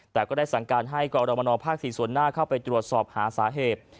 แต่ก็ได้สั่งการให้กรมนภ๔ส่วนหน้าเข้าไปตรวจสอบหาสาเหตุ